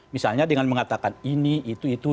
misalnya dengan mengatakan ini itu itu